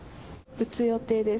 打つ予定です。